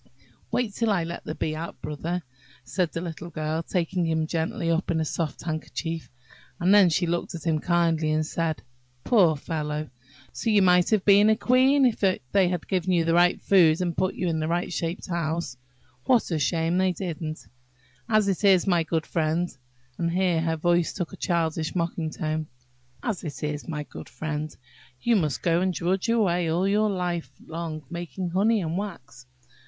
"Wait till I let the Bee out, Brother," said the little Girl, taking him gently up in a soft handkerchief; and then she looked at him kindly and said, "Poor fellow! so you might have been a queen if they had only given you the right food, and put you into a right shaped house! What a shame they didn't! As it is, my good friend," (and here her voice took a childish mocking tone)–"As it is, my good friend, you must go and drudge away all your life long, making honey and wax.